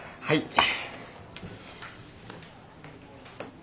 はい。